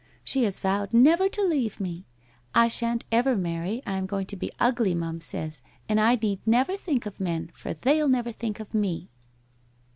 She has vowed never to leave me. I shan't ever marry, I am going to be ugly, Mum says, and I need never think of men, for they'll never think of me